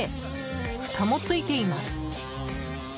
ふたもついています。